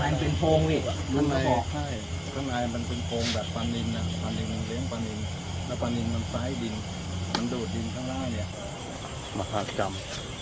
มันเป็นโฟงนี่ข้างในมันเป็นโฟงแบบปานินนะปานินมันเลี้ยงปานินแล้วปานินมันซ้ายดินมันดูดดินข้างล่างเนี่ยมหากรรม